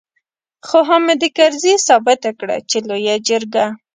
خو حامد کرزي ثابته کړه چې لويه جرګه.